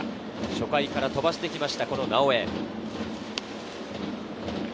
初回から飛ばしてきた直江。